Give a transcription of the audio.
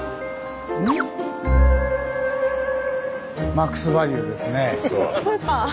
マックスバリュですね。